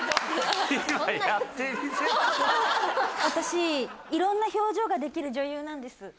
私いろんな表情ができる女優なんです。